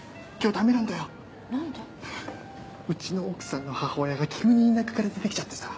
うちの奥さんの母親が急に田舎から出てきちゃってさ。